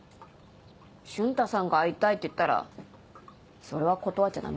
瞬太さんが会いたいって言ったらそれは断っちゃダメよ。